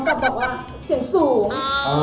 น้องก็บอกว่าเสียงสูง